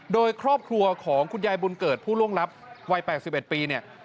โดยครอบครัวของคุณยายบุญเกิดผู้ล่วงลับวัย๘๑ปีเนี่ย